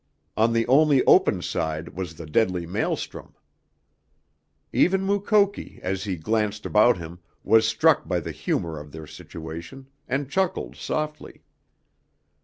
On the only open side was the deadly maelstrom. Even Mukoki as he glanced about him was struck by the humor of their situation, and chuckled softly.